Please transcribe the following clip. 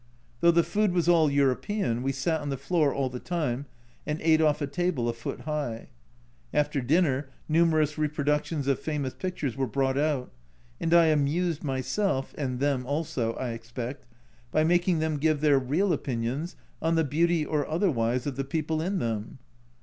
Though the food was all European, we sat on the floor all the time and ate off a table a foot high. After dinner numerous reproductions of famous pictures were brought out, and I amused myself (and them also, I expect) by making them give their real opinions on the beauty or otherwise of the people in them.